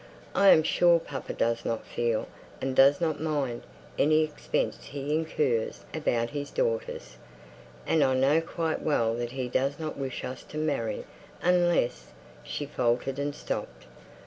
"I am sure papa does not feel, and does not mind, any expense he incurs about his daughters. And I know quite well that he does not wish us to marry, unless " She faltered and stopped.